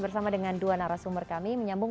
bersama dengan dua narasumber kami menyambung